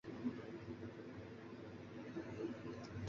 他那张著名的肖像就是在这里拍摄的。